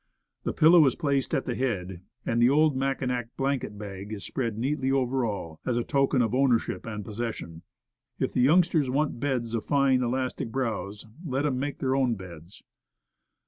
The pillow is placed at the head, and the old Mack inac blanket bag is spread neatly over all, as a token Camp Furniture. 75 of ownership and possession. If the youngsters want beds of fine, elastic browse, let 'em make their own beds.